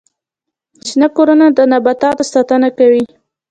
شنه کورونه د نباتاتو ساتنه کوي